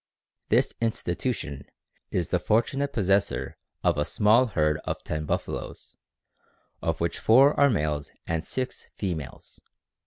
_ This institution is the fortunate possessor of a small herd of ten buffaloes, of which four are males and six females.